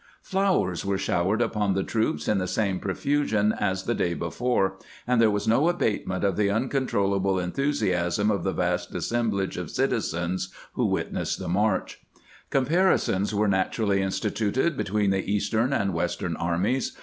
Flowers were showered upon the troops in the same profusion as the day before, and there was no abatement in the uncontrollable enthusiasm of the vast assemblage of citizens who witnessed the march. 512 CAMPAIGNING WITH GEANT Comparisons were naturally instituted between the Eastern and "Western armies.